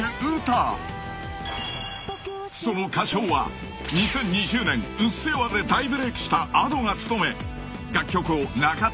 ［その歌唱は２０２０年『うっせぇわ』で大ブレイクしたＡｄｏが務め楽曲を中田ヤスタカ